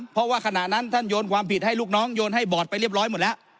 เพราะว่าขณะนั้นท่านโยนความผิดให้ลูกน้องโยนให้บอร์ดไปเรียบร้อยหมดแล้ว